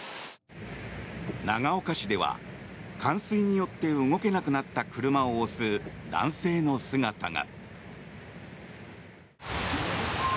長岡市では、冠水によって動けなくなった車を押す男性の姿が。